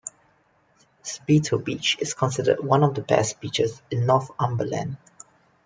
Spittal Beach is considered one of the best beaches in Northumberland.